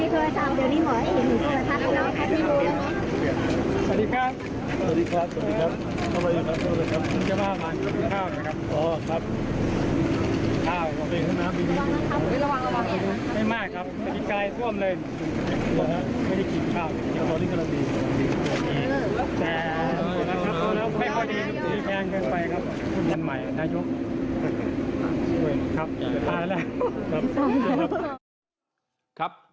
ขอบคุณครับขอบคุณครับ